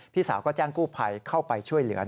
พี่สาวก็แจ้งกู้ภัยเข้าไปช่วยเหลือ